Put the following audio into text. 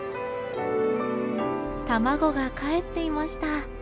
卵がかえっていました。